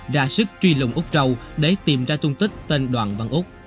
ra sức truy lùng úc châu để tìm ra tung tích tên đoàn văn úc